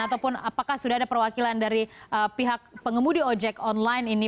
ataupun apakah sudah ada perwakilan dari pihak pengemudi ojek online ini